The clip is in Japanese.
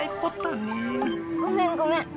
ごめんごめん。